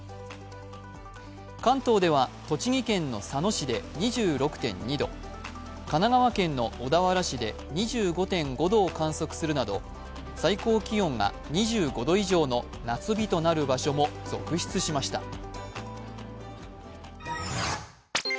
関東では栃木県の佐野市で２６．２度神奈川県の小田原市で２５．５度を観測するなど最高気温が２５度以上の夏日となる場所も続出しました。